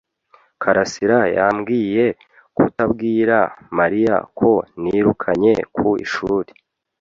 karasira yambwiye kutabwira Mariya ko nirukanye ku ishuri.